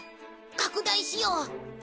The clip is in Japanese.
拡大しよう。